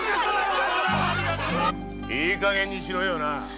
いいかげんにしろよ！